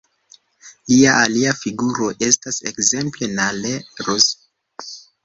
Lia alia figuro estas ekzemple Nalle Lufs.